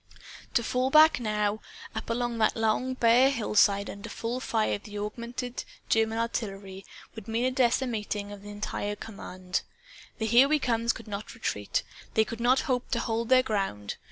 To fall back, now, up that long bare hillside, under full fire of the augmented German artillery, would mean a decimating of the entire command. The Here We Comes could not retreat. They could not hope to hold their ground.